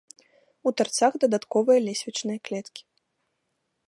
У тарцах дадатковыя лесвічныя клеткі.